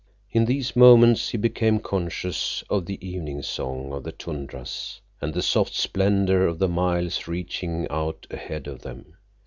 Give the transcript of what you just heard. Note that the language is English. In these moments he became conscious of the evening song of the tundras and the soft splendor of the miles reaching out ahead of them.